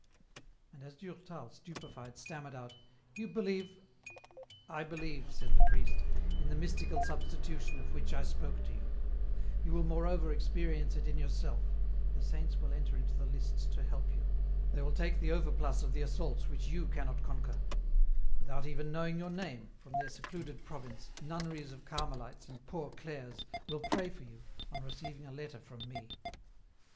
And as Durtal, stupefied, stammered out :" You be lieve —"" I believe," said the priest, " in the mystical substitution of which I spoke to you ; you will moreover experience it in yourself ; the saints will enter into the lists to help you ; they will take the overplus of the assaults which you cannot conquer ; without even knowing your name, from their secluded province, nunneries of Carmelites and Poor Clares will pray for you, on receiving a letter from me."